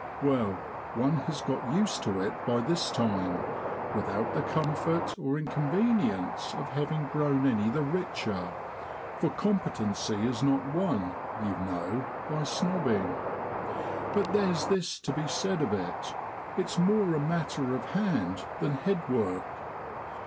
well, one has got used to it by this time, without the comfort or inconvenience of having grown any the richer, for competency is not won, you know, by snobbing; but there's this to be said of it, its more a matter of hand than head work.